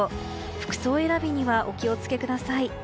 服装選びにはお気を付けください。